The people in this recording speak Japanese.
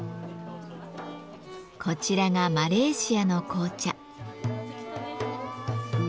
こちらがマレーシアの紅茶。